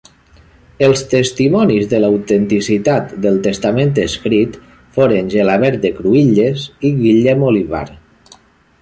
Els testimonis de l'autenticitat del testament escrit, foren Gelabert de Cruïlles i Guillem Olivar.